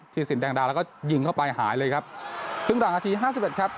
สินแดงดาแล้วก็ยิงเข้าไปหายเลยครับครึ่งหลังนาทีห้าสิบเอ็ดครับ